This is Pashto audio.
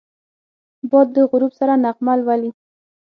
باد د غروب سره نغمه لولي